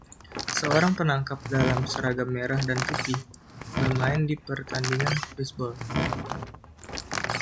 Seorang penangkap dalam seragam merah dan putih bermain di pertandingan bisbol.